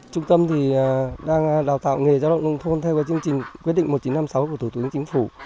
trung tâm thì đang đào tạo nghề giáo đoạn nông thôn theo cái chương trình quyết định một nghìn chín trăm năm mươi sáu của thủ tướng chính phủ